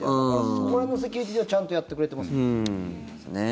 そこら辺のセキュリティーはちゃんとやってくれてますね。